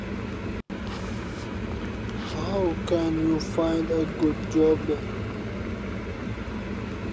پووڵێکی لەگەڵ خۆی هێنابوو، گوتی: